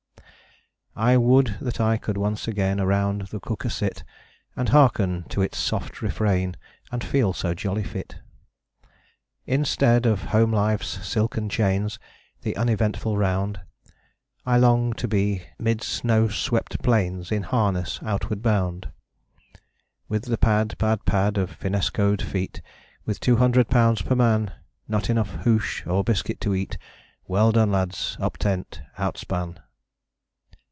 I would that I could once again Around the cooker sit And hearken to its soft refrain And feel so jolly fit. Instead of home life's silken chains, The uneventful round, I long to be mid snow swept plains, In harness, outward bound. With the pad, pad, pad, of fin'skoed feet, With two hundred pounds per man, Not enough hoosh or biscuit to eat, Well done, lads! Up tent! Outspan.